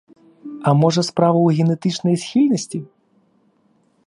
А можа, справа ў генетычнай схільнасці?